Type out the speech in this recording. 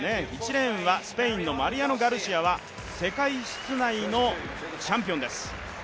１レーンはスペインのマリアノ・ガルシア、世界室内のチャンピオンです。